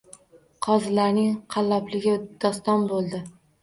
Qozilarning qallobligi doston boʼldi